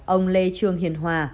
ông lê trường hiền hòa